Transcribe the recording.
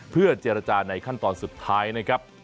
เพื่อเจรจาในขั้นตอนสุดท้ายนะครับ